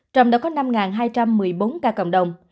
trong đó có năm hai trăm một mươi bốn ca cộng đồng